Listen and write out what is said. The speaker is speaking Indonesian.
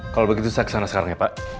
kalau begitu saya kesana sekarang ya pak